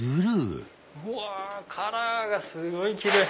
うわカラーがすごいキレイ！